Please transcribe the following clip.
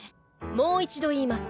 もう一度言います。